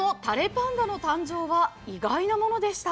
ぱんだの誕生は意外なものでした。